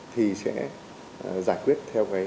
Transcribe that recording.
thì sẽ giải quyết theo cái quy định đó